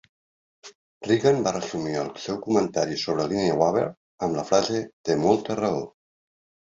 Reagan va resumir el seu comentari sobre Linaweaver amb la frase: Té molta raó!